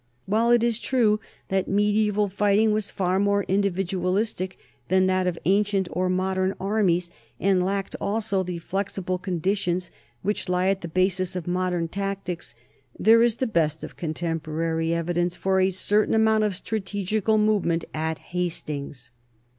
While it is true that mediaeval fighting was far more individual istic than that of ancient or modern armies and lacked also the flexible conditions which lie at the basis of modern tactics, there is the best of contemporary evi dence for a certain amount of strategical movement at Hastings.